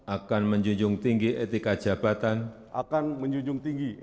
akan menjunjung tinggi etika jabatan